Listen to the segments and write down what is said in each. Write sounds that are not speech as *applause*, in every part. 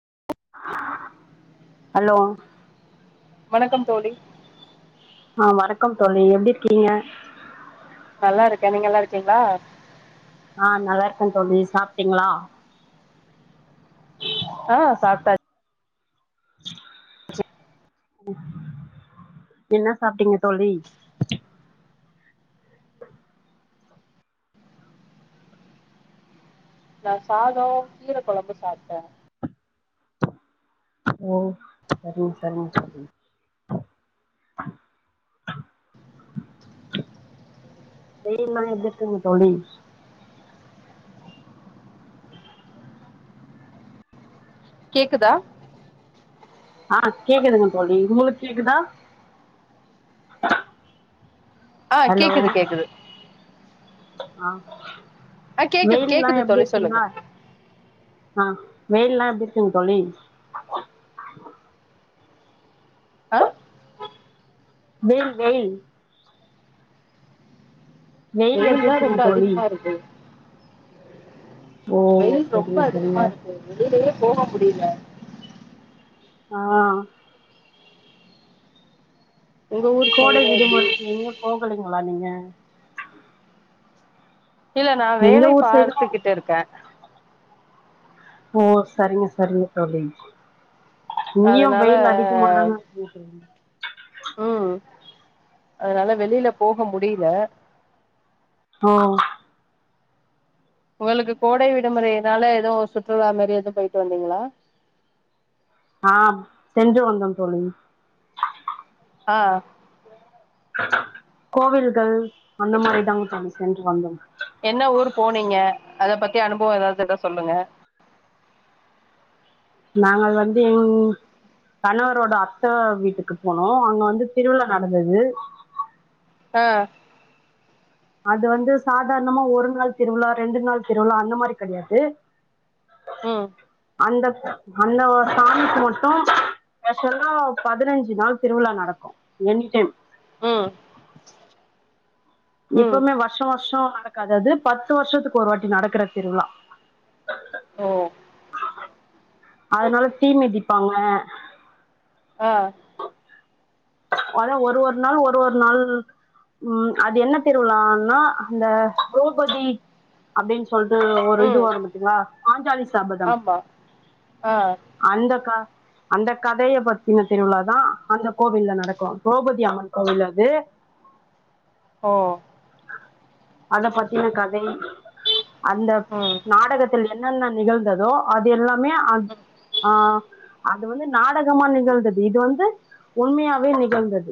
*inaudible* Hello வணக்கம் தோழி ஆ வணக்கம்தோழி எப்படி இருக்கீங்க நல்லா இருக்கேன் நீங்க நல்லா இருக்கீங்களா ஆ நல்லா இருக்கேன்தோழி சாப்ட்டீங்களா ஆ சாப்டாசி என்ன சாப்ட்டீங்க தோழி நான் சாதம் கீரை குழம்பு சாப்ட்டேன். ஓ சரிங்க சரிங்க தோழி *unintelligible* தோழி கேக்குதா ஆஹ் கேக்குதுங்கு தோழி உங்களுக்கு கேக்குதா ஆ ஹலோ கேக்குது கேக்குது ஆ ஆ கேக்குது வெயில்லா கேக்குது எப்டி தோழி இருக்குங்க சொல்லுங்க ஆ வெயில்லாம் எப்படி இருக்குங்க தோழி ஆ வெயில் வெயில் வெயில் எப்டி வெயில்தான் இருக்குங்க ரொம்ப தோழி அதிகமா இருக்கு ஓ வெயில் ரொம்ப சரிங்க சரிங்க அதிகமா இருக்கு வெளிலயே போக முடியல ஆ உங்க ஊர் கோடை சைடு எப்டி விடுமுறைக்கு எங்யு போகலைங்க போலா நீங்க இல்ல நா எங்க வேலை ஊர் சைடு பார்த்துக்கிட்டு இருக்கே ஓ சரிங்க சரிங்க தோழி இங்கயு அதனால வெயில் அதிகமாதாங்க இருந்துட்ருக்கு ம் அதனால வெளில போக முடியல ஆ இவளுக்கு கோடை விடுமுறைனால எதுவு சுற்றுலா மாரி எது போயிட்டு வந்தீங்களா ஆஹ் சென்று வந்தோம் தோழி ஆஹ் கோவில்கள் அந்த மாரி தாங்க தாம்சென்ட் வந்தோ என்ன ஊரு போனீங்க அத பத்தி அனுபவ எதாவ்து இருந்தா சொல்லுங்க நாங்கள் வந்து உம் கணவரோட அத்த வீட்டுக்கு போனோ அங்க வந்து திருவிழா நடந்தது ஆஹ் அது வந்து சாதாரணமா ஒரு நாள் திருவிழா ரெண்டு நாள் திருவிழா அந்த மாரி கெடையாது உம் அந்தப் அந்த ஒரு சாமிக்கு மட்டு அ சொல்றோ பதுனஞ்சு நாள் திருவிழா நடக்கு எனிடைம் உம் எப்போமே வர்ஷ வர்ஷ நடக்காது அது பத்து வர்ஷத்துக்கு ஒரு வாட்டி நடக்குற திருவிழா ஓ அதனால தீ மிதிப்பாங்க ஆஹ் அதா ஒரு ஒரு நாள் ஒரு ஒரு நாள் உம் அது என்ன திருவிழான்னா அந்த திரோபதி அப்டின் சொ சொல்ட்டு ஒரு இது ம் வரு பாத்தீங்ளா பாஞ்சாலிஸ் சபதம் ஆமா ஆ அந்தக் கா அந்த கதய பாத்தினா திருவிழா தா அந்த கோவில்ல நடக்கு திரோபதி அம்மன் கோவில் அது ஓ அத பாத்தீனா கதை அந்த ம் நாடகத்தில் என் என்னென்ன நிகழ்ந்ததோ அது எல்லா மே அஹ் ஆஹ் அது வந்து நாடகமா நிகழ்ந்தது இது வந்து உண்மையாவே நிகழ்ந்தது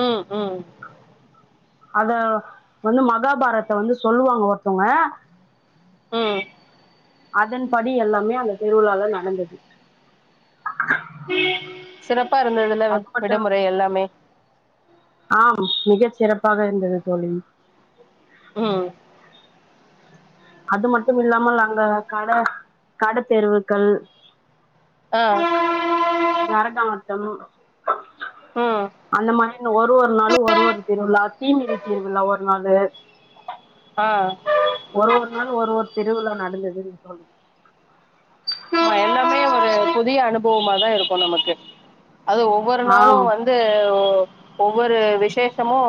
உம் உம் அத வந்து மகாபாரத்தை வந்து சொல்லுவாங்க ஒருத்தவங்க ம் அதன்படி எல்லாமே அந்த திருவிழால நடந்தது சிறப் அப்பா இருந்ததுல அது மட்டும் விடுமுறை எல்லாமே மிக சிறப்பாக இருந்தது தோழி உம் அது மட்டும் இல்லாமல் நாங்க கடை கடை தேர்வுகள் ஆஹ் நரகாட்டம் ம் அந்த மாதிரி ஒரு ஒரு நாளும் ஒரு ஒரு திருவிழா தீமிதி திருவிழா ஒரு நாளு ஆ ஒரு ஒரு நாள் ஒரு ஒரு திருவிழா நடந்ததுங்க தோழி ஆமா எல்லாமே ஒரு புதிய அனுபவமாதா இருக்கோ நமக்கு அது ஒவ்வொரு நாளோ ஆம் வந்து ஒவ்வொரு விசேஷமோ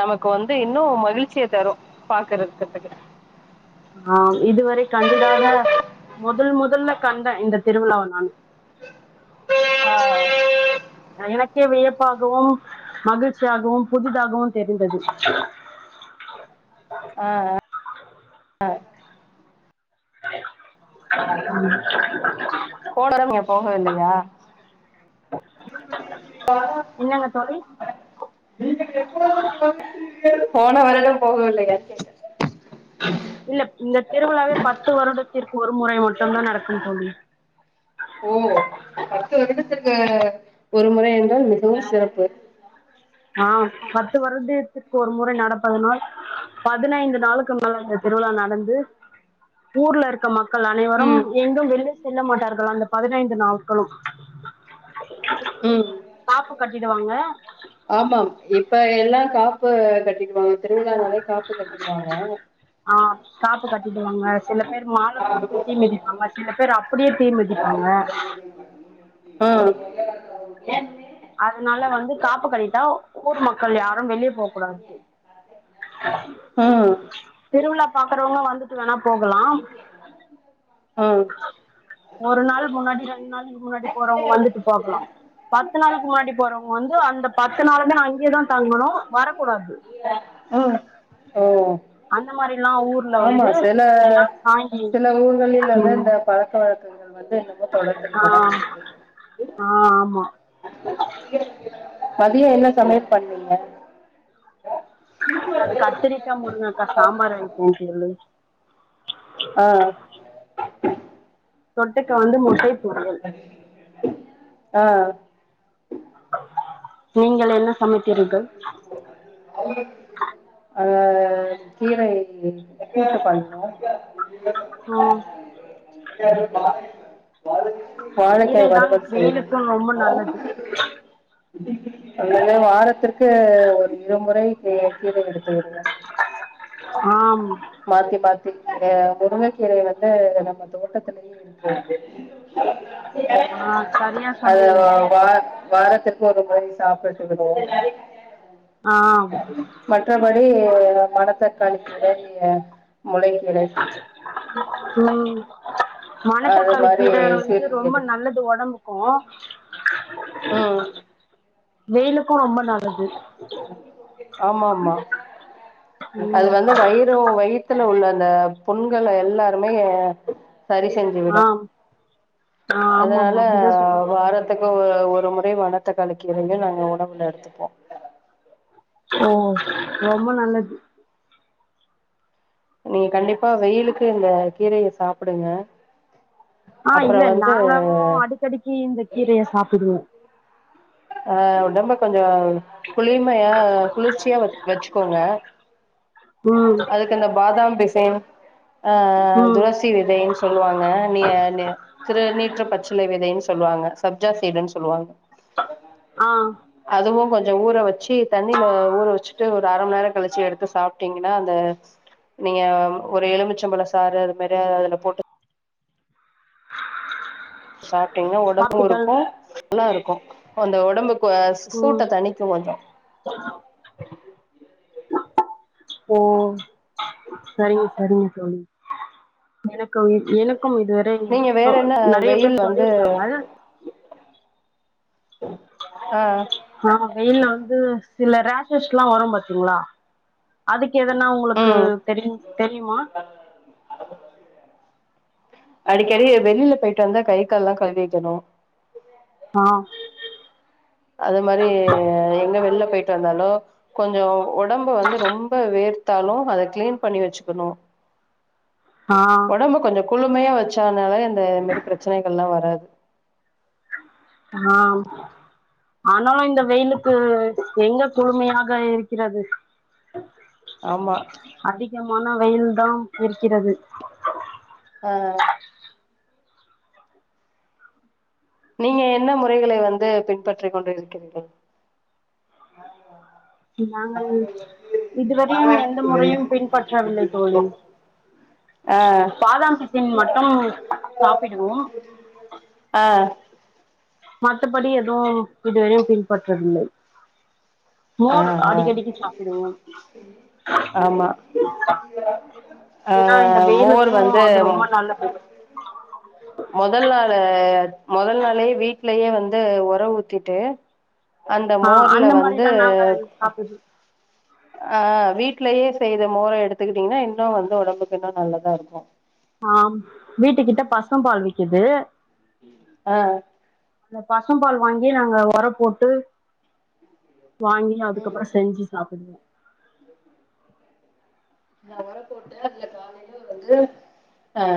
நமக்கு வந்து இன்னு மகிழ்ச்சிய தரும் பாக்குறக்கிறதுக்கு ஆ இதுவரை கண்டிடாத முதல் முதல்ல கண்டேன் இந்த திருவிழாவ நானு ஆ எனக்கே வியப்பாகவும் மகிழ்ச்சியாகவும் புதிதாகவும் தெரிந்தது ம் போனறவ நீங்க போகவே இல்லையா என்னங்க தோழி நீங்க எப்போது வருவீர்கள் போன வராலும் போக வில்லையா கேட்டேன் இல்ல இந்த திருவிழாவே பத்து வருடத்திற்கு ஒரு முறை மட்டும் தான் நடக்குன்னு தோழி ஓ பத்து வருடத்துக்கு ஒரு முறை என்றால் மிகவும் சிறப்பு ஆ பத்து வரது இத்து ஒரு முறை நடப்பதனால் பதினைந்து நாளுக்கு திருவிழா நடந்து ஊர்ல இருக்க மக்கள் அனைவரும் ம் எங்கும் வெளிய செல்ல மாட்டார்கள் அந்த பதினைந்து நாட்களும் ம் காப்பு கட்டிடுவாங்க ஆமாம் இப்ப எல்லாம் காப்பு கட்டி வாங்க திருவிழா நாளே காப்பு கட்டி டுவாங்க ஆ காப்பு கட்டிடுவாங்க சில பேர் மாலை போட்டு தீமிதிப்பாங்க சில பேர் அப்படியே தீ மிதிப்பாங்க ம் என் அ அதனால வந்து காப்பு கட்டீட்டா ஊர் மக்கள் யாரும் வெளியே போக கூடாது ம் திருவிழா பாக்குறவங்க வந்துட்டு வேணா போகலாம் *unintelligible* ஒரு நாள் முன்னாடி ரெண்டு நாளுக்கு முன்னாடி போறவங்க வந்துட்டு போகலாம் பத்து நாளுக்கு முன்னாடி போறவங்க வந்து அந்த பத்து நாளு தா அங்கேயா தா தங்கணோ வர ம் ஓ அந்த மாரில்லா ஊர்ல ஆமா வந்து சில எல்லா சாங்கி சில ஊர்களில் வந்து ம் இந்த பழக்க வழக்கங்கள் வந்து இன்னமோ ஆ தொடர்ந்துட்டுதான் இருக்கு ஆ ஆமா மதியோ என்ன சமையல் பண்ணீங்க நான் கத்திரிக்கா முருங்காக்கா சாம்பார் *unintelligible* சொல்லுங்க ஆஹ் தொட்டுக்க வந்து முட்டை பொரியல் ஆஹ் நீங்கள் என்ன சமைத்திர்கள் அஹ் கீரை எ பண்ணும் ம் *unintelligible* வாழைக்காய் கீரைதான் வருவது ச வெயிலுக்கு ரொம்ப நல்லது அல்ல வாழ ஒரு இருமுறை கீரை எடுத்து விடு ஆம் மாத்தி மா முருங்கைக்கீரை முருங்கைகீர வந்து நம்ம தோட்டத்தை சிலையே இருக்கு ஆஹ ஆஹ் சரியா சொன்னீங்க வாரத்துக்கு ஒரு மாதிரி சாப்பிட்டுக்கணும் ஆம் மற்றபடி மணத்தக்காளி கீரை முளைக்கிடை மன தக்காளி கீரை இது ரொம்ப நல்லது ஒடம்பு *unintelligible* ஆஹ் வேலுக்கும் ரொம்ப நல்லது ஆமா ஆமா அது ம் வந்து வயிறும் வயித்துல உள்ள தா. புண்கள எல்லாருமே செரி செஞ்சி ஆ ஆ விடும் அதனால ஆமாமா அப்டிதா சொல்லுவாங்க வாரத்துக்கு ஒரு ஒரு முறை வனத்தக்காளி கீரைய நாங்க உணவுல எடுத்துப்போம் ஓ ரொம்ப நல்லது நீ கண்டிப்பா வெயிலுக்கு இந்த கீரைய சாப்டுங்க ஆ இல்ல நாங்களும் அடிக்கடிக்கி இந்த கீரைய சாப்பிடுவோம் ஆ. உடம்ப கொஞ் ச குளிர்மயா குளிர்ச்சியா வெச்சுக்கோங்க ம் அதுக்கிந்த பாதாம் பிசின் ஆ ம் துளசி விதைன் சொல்லுவாங்க நிய நீ திருநீற்ற பச்சிலை விதைன் சொல்லுவாங்க சப்ஜா சீடுன் சொல்வாங்க ஆ அதுவு கொஞ்சோ ஊற வச்சு தண்ணில ஊற வச் ஒரு அரம்நேர கழிச்சி எடுத்து சாப் டீங்ன்னா அந்த நீங்க ஒரு எலுமிச்சம்பல சாறு அது மாரி அதுல போட்டு சாப் டீங்ன்னா ஒடம்பு சாப்பிட்டால் இருக்கு நல்லாருக் அந்த ஒடம்பு ம் ஓ செரிங்க செரிங்க தோழி ஏன *unintelligible* எனக்கும் இதுவரை நீங்க சொ வேற என்ன நறைய வெயில் பேர் வந்து சொல்லிருக்காங்கள் ஆ அ வெயில்ல வந்து சில ரேஷஸ்லா வரு பாத்தீங்ளா அதுக்கு எதனா உங்குளுக்கு ம் தெரிஞ் தெரியுமா அடிக்கடி வெளில போய்ட்டு வந்தா கை கால் எல்லா கழுவிக்கணு ஆ அது மாரி எங்க வெள்ல பேயிட்டு வந்தாலு கொஞ்சோ ஒடம்பு வந்து ரொம்ப வேர்த் தாலு அத க்ளீன் பண்ணி வெச்சிக்கனு ஆ ஓடம்பு கொஞ்சோ குழுமயா வெச்சனாவே இந்த இது மாரி பிரச்சனைகல்லா வராது ஆ ஆனாலு இந்த வெயிலுக்கு எங்க குழுமையாக இருக்கிறது ஆமா கமான வெயில்தான் இருக்கிறது ஆ நீங்க என்ன முறைகளை வந்து பின்பற்றி கொண்டிருக்கிறீர்கள் நாங்கள் இதுவரையு எந்த முறையு பின்பற்றவில்லை தோழி ஆ பாதாம் பிசின் மட்டு சாப்பிடுவோ ஆ மத்தபடி எதுவு இதுவரையு பின்பற்றதில்லை ஆ மோர் ஆ அடிகடிக்கு சாப்பிடுவோ ஆமா ஆ ஏனா இந்த மோர் வெயிலுக்கு வந்து அது ரொம்ப நல்லது மொதல் நாள மொதல் நாளே வீட்லயே வந்து ஒர ஊத்திட்டு அந்த ஆ மோர்ல அந்த வந்து மாரிதா நாங்க சாப்புட்றது ஆ வீட்லயே செய்ர மோர எடுதுகிட்டீங்கனா இன்னு வந்து உடம்புக்கு இன்னு நல்லதா இருக்கு ஆஹ் வீட்டு கிட்ட பசும் பால் விக்கிது ஆ அந்த பசும்பால் வாங்கி நாங்க வாங்கி ம் அதுக்கப்றொ செஞ்சு சாப்புட்னு நா உர போட்டு அதுல கால வந்து ஆ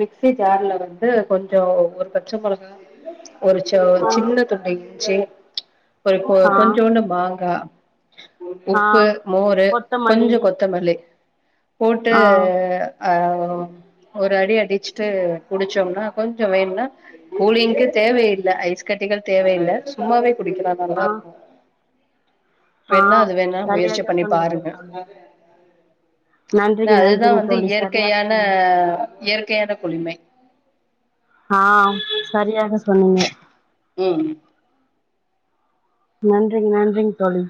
மிக்சி ஜார்ல வந்து து கொஞ்சொ ஒரு பச்ச மொளகா *inaudible* ஒரு சொ ஆ சின்ன துண்டு இஞ்சி ஒரு கொ ஆ கொஞ்சூண்டு மாங்கா ஆ உப்பு மோரு கொத்தமல்லி கொஞ்சொ கொத்தமல்லி போட்டு ஆ அஹ் ஒ ஒரு அடி அடிச்சுட்டு குடிச்சோம்னா கொஞ்ச வேணுனா கூலிங்க்கு தேவையில்ல ஐஸ் கட்டிகள் தேவையில்ல சும்மாவே குடிக்கலாம் நல்லா ஆ இருக்கும் ஆ வேணா அது வேணா முயற்சி சரியாக பண்ணி பாருங்க சொன்னீர்கள் தோழி ஏன்னா நன்றிங்க அதுதான் நன்றிங்க வந்து தோழி சரியா இயற்கையான சொன்னீங்க இயற்கையான குளிமை ஆஹ் சரியாக சொன்னீங்க ம் நன்றிங் நன்றிங் தோழி